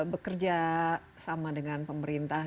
bekerja sama dengan pemerintah